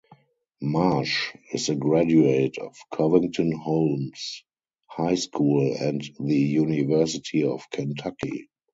Marsh is a graduate of Covington Holmes High School and the University of Kentucky.